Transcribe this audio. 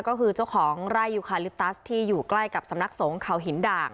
ก็คือเจ้าของไร่ยูคาลิปตัสที่อยู่ใกล้กับสำนักสงฆ์เขาหินด่าง